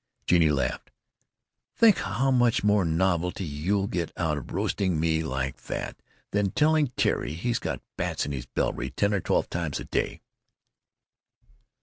Genie laughed. "Think how much more novelty you get out of roasting me like that than telling Terry he's got 'bats in his belfry' ten or twelve times a day."